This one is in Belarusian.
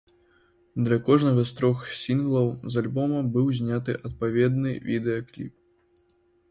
Для кожнага з трох сінглаў з альбома быў зняты адпаведны відэа-кліп.